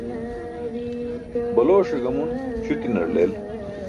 Balooṣe gamun śutinar leel.